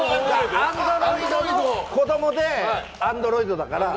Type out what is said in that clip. アンドロイドの子供で、アンドロイドだから。